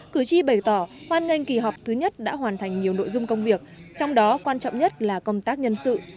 cử tri bày tỏ hoan nghênh kỳ họp thứ nhất đã hoàn thành nhiều nội dung công việc trong đó quan trọng nhất là công tác nhân sự